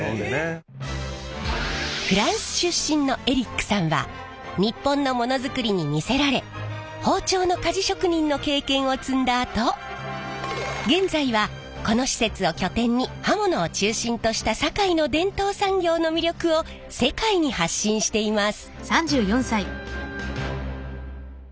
フランス出身のエリックさんは日本のものづくりに魅せられ包丁の鍛冶職人の経験を積んだあと現在はこの施設を拠点に刃物を中心とした堺の伝統産業の魅力を世界に発信しています！